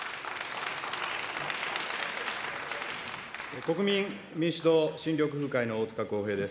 国民民主党・新緑風会の大塚耕平です。